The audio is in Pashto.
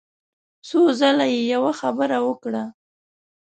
څو ځله يې يوه خبره وکړه.